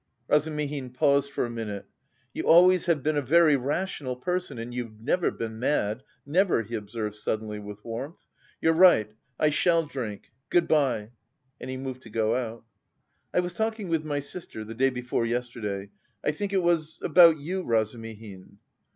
Razumihin paused for a minute. "You always have been a very rational person and you've never been mad, never," he observed suddenly with warmth. "You're right: I shall drink. Good bye!" And he moved to go out. "I was talking with my sister the day before yesterday, I think it was about you, Razumihin."